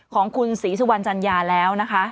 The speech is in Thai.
ของคุณศรีสุวรรณจัญญาแล้วนะคะ